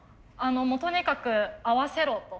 もうとにかく合わせろと。